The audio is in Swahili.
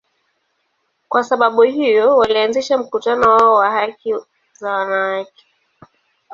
Kwa sababu hiyo, walianzisha mkutano wao wa haki za wanawake.